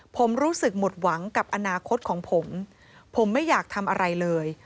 ผมรู้สึกหมดหวังกับอนาคตของผมผมไม่อยากทำอะไรเลย